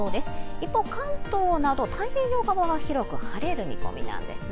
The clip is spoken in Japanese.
一方、関東など太平洋側は広く晴れる見込みなんですね。